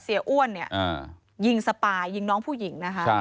เสียอ้วนยิงสปายยิงน้องผู้หญิง